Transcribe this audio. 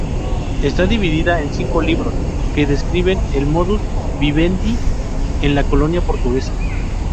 Está dividida en cinco libros, que describen el "modus vivendi" en la colonia portuguesa.